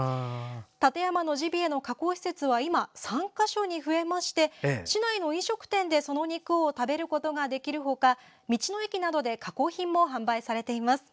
館山のジビエの加工施設は今、３か所に増えまして市内の飲食店でその肉を食べることができる他道の駅などで加工品も販売されています。